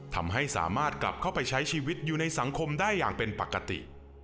ทำให้สามารถกลับเข้าไปใช้ชีวิตอยู่ในสังคมได้อย่างเป็นปกติ